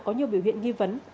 có nhiều biểu hiện nghi vấn